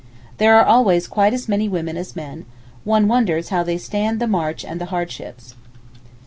There are always quite as many women as men; one wonders how they stand the march and the hardships.